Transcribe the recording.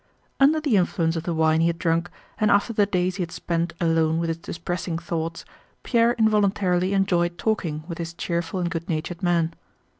Under the influence of the wine he had drunk, and after the days he had spent alone with his depressing thoughts, Pierre involuntarily enjoyed talking with this cheerful and good natured man.